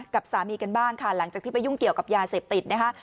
กับสามีกันบ้างค่ะหลังจากที่ไปยุ่งเกี่ยวกับยาเสพติดนะคะ